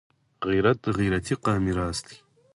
غیرت د غیرتي قام میراث دی